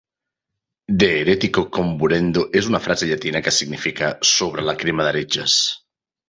De heretico comburendo és una frase llatina que significa "Sobre la crema d'heretges".